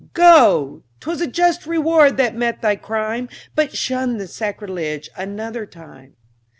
Go! 'twas a just reward that met thy crime; But shun the sacrilege another time.